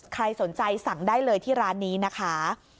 ใครสนใจสั่งได้เลยที่ร้านนี้นะคะ